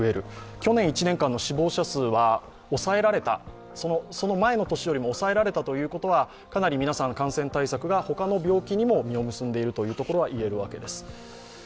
去年１年間の死亡者数はその前の年よりも抑えられたということはかなり皆さん、感染対策が他の病気にも実を結んでいると言えるわけです。